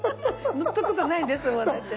乗ったことないんですもんだって。